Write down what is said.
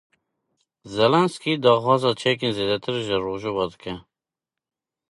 Zelensky daxwaza çekên zêdetir ji rojava dike.